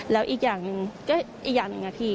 แล้วอีกอย่างหนึ่งก็อีกอย่างหนึ่งนะพี่